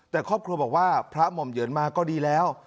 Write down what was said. แต่ครอบครัวบอกว่าพระหม่อมเหยือนมาก็ดีแล้ว